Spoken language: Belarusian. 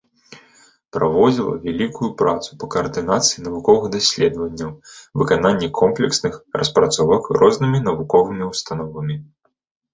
Праводзіла вялікую працу па каардынацыі навуковых даследаванняў, выкананні комплексных распрацовак рознымі навуковымі ўстановамі.